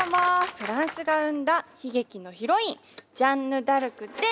フランスが生んだ悲劇のヒロインジャンヌ・ダルクです！